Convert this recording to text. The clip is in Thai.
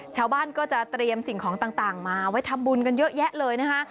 ชาวบ้านก็จะเตรียมสิ่งของต่างมาไว้ทำบุญกันเยอะแยะเลยนะคะ